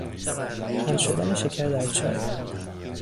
حل شدن شکر در چای